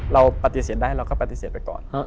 เราปฏิเสธได้เราก็ปฏิเสธไปก่อน